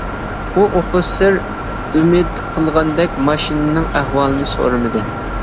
ئۇ ئوفىتسېر ئۈمىد قىلغاندەك ماشىنىنىڭ ئەھۋالىنى سورىمىدى.